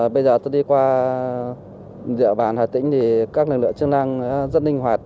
bây giờ tôi đi qua địa bàn hà tĩnh thì các lực lượng chức năng rất linh hoạt